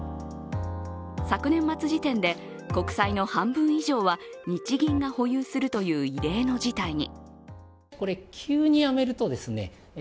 昨年末時点で国債の半分以上は日銀が保有するという異例の事態に。